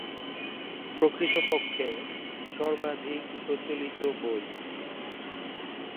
প্রকৃতপক্ষে, "সর্বাধিক প্রচলিত বই"।